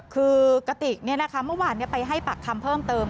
คือกติกเมื่อวานไปให้ปากคำเพิ่มเติม